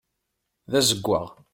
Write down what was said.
D azeggaɣ.